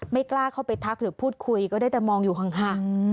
กล้าเข้าไปทักหรือพูดคุยก็ได้แต่มองอยู่ห่าง